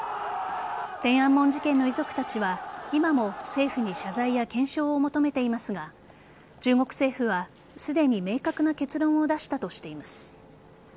天安門事件の遺族たちは今も政府に謝罪や検証を求めていますが中国政府はすでに明確な結論を出したとしています。